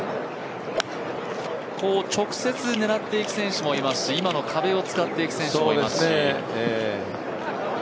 直接狙っていく選手もいますし今の壁を使っていく選手もいますし。